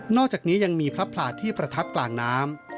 อกจากนี้ยังมีพระพลาที่ประทับกลางน้ำ